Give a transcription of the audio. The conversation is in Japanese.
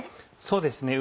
そうですね。